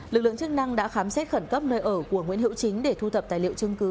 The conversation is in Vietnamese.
lực lượng chức năng đã khám xét khẩn cấp nơi ở của nguyễn hữu chính để thu thập tài liệu chứng cứ